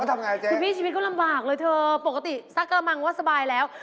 วันถังไหนเจ๊ปกติซักตรำมังซะสบายแล้ว